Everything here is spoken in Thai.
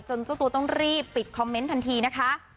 เจ้าตัวต้องรีบปิดคอมเมนต์ทันทีนะคะ